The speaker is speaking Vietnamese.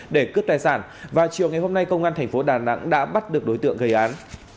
để cướp tài sản và chiều ngày hôm nay công an tp đà nẵng đã bắt được đối tượng gây án